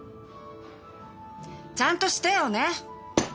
ちゃんとしてよね！